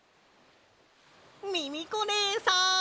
ミミコねえさん！